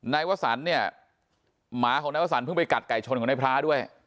นายวสันเนี่ยหมาของนายวสันเพิ่งไปกัดไก่ชนของนายพระด้วย